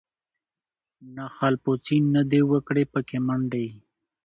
نه خالپوڅي نه دي وکړې پکښی منډي